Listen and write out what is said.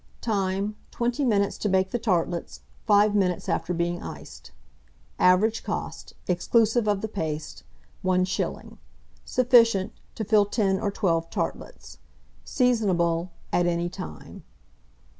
Time. 20 minutes to bake the tartlets; 5 minutes after being iced. Average cost, exclusive of the paste, 1s. Sufficient to fill 10 or 12 tartlets. Seasonable at any time.